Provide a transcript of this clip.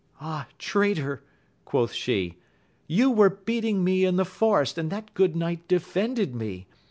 Ah, traitor ! quoth she, you were beating me in the forest, and that good 'knight defended me